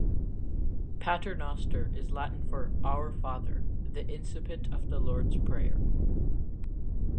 "Pater noster" is Latin for "Our Father", the incipit of the Lord's Prayer.